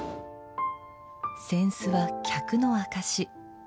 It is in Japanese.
扇子は客のあかし。